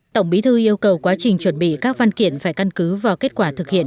tổng bí thư yêu cầu quá trình chuẩn bị các văn kiện phải căn cứ vào kết quả thực hiện